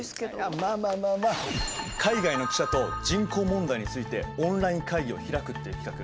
まあまあまあまあ海外の記者と人口問題についてオンライン会議を開くっていう企画。